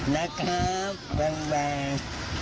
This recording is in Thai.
นะครับบาง